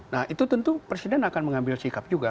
nah itu tentu presiden akan mengambil sikap juga